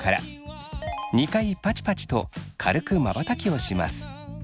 ２回パチパチと軽くまばたきをします。